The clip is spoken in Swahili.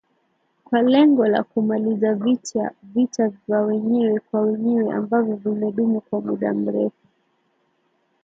kwa lengo la kumaliza vita vya wenyewe kwa wenyewe ambavyo vimedumu kwa muda mrefu